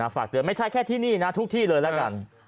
ฝากเตือนไม่ใช่แค่ที่นี่นะทุกที่เลยแล้วกัน